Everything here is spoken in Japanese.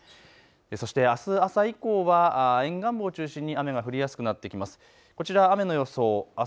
そしてあす朝以降は沿岸部を中心に雨が降りやすくなってきます。